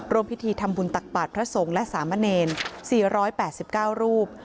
รวมพิธีทำบุญตักปัดพระสงค์และสามเณรสี่ร้อยแปดสิบเก้ารูป